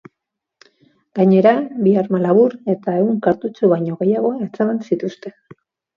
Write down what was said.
Gainera, bi arma labur eta ehun kartutxo baino gehiago atzeman zituzten.